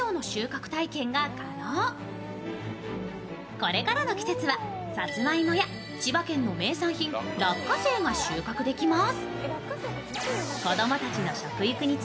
これからの季節はさつまいもや千葉県の名産品・落花生が収穫できます。